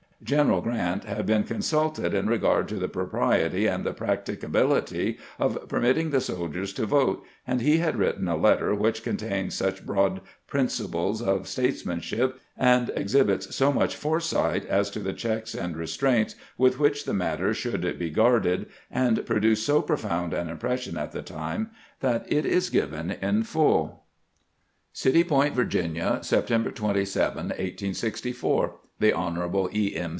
General Grant had been consulted in regard to the propriety and practicability of permitting the soldiers to vote, and he had written a letter which contains such broad principles of statesmanship, and ex hibits so much foresight as to the checks and restraints with which the matter should be guarded, and produced so profound an impression at the time, that it is given in full: City Point, Va., September 27, 1864. The Hon. E. M.